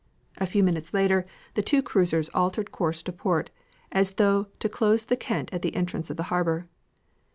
A few minutes later the two cruisers altered course to port, as though to close the Kent at the entrance to the harbor.